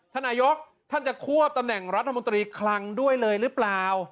ท่านนายกท่านจะควบตำแหน่งรัฐมนตรีคลังด้วยเลยหรือเปล่า